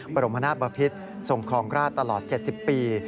บรมนาศบพิษทรงคลองราชตลอด๗๐ปี